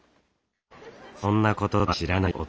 そんなこととは知らない音。